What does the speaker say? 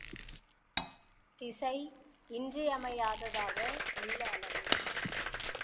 திசை இன்றியமையாததாக உள்ள அளவு.